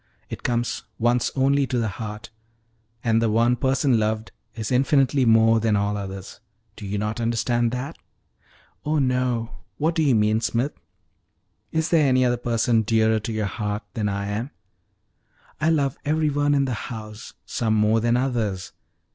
It comes once only to the heart, and the one person loved is infinitely more than all others. Do you not understand that?" "Oh no; what do you mean, Smith?" "Is there any other person dearer to your heart than I am?" "I love every one in the house, some more than others.